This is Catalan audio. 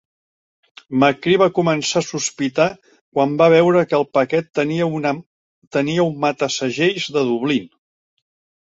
McCrea va començar a sospitar quan va veure que el paquet tenia un mata-segells de Dublín.